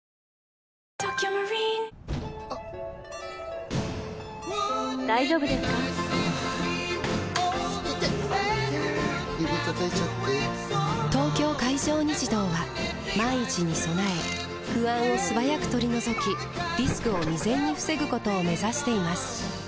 指たたいちゃって・・・「東京海上日動」は万一に備え不安を素早く取り除きリスクを未然に防ぐことを目指しています